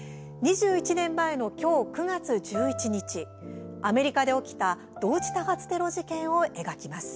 ２１年前の今日、９月１１日アメリカで起きた同時多発テロ事件を描きます。